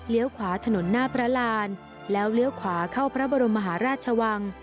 ขวาถนนหน้าพระรานแล้วเลี้ยวขวาเข้าพระบรมมหาราชวัง